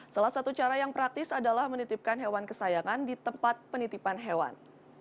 salah satu cara yang praktis adalah menitipkan hewan kesayangan di tempat penitipan hewan